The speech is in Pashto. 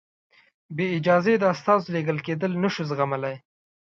بې اجازې د استازو لېږل کېدل نه شو زغملای.